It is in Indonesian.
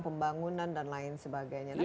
pembangunan dan lain sebagainya